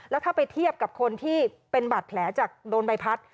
แล้วถ้าไปเทียบกับคนที่เป็นบาดแผลจากโดนใบพัด